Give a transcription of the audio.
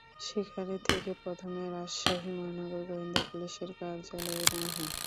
সেখান থেকে তাঁদের প্রথমে রাজশাহী মহানগর গোয়েন্দা পুলিশের কার্যালয়ে নেওয়া হয়।